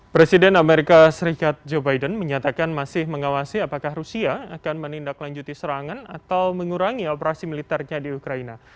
presiden amerika serikat joe biden menyatakan masih mengawasi apakah rusia akan menindaklanjuti serangan atau mengurangi operasi militernya di ukraina